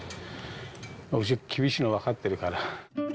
うちが厳しいの分かってるから。